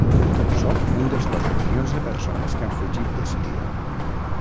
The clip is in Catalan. Sóc un dels quatre milions de persones que han fugit de Síria.